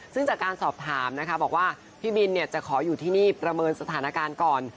ซึ่งจากการสอบถามนะคะบอกว่าพี่บินจะขออยู่ที่นี่ประเมินสถานการณ์ก่อน